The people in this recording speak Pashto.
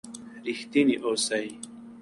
رښتیني اوسئ.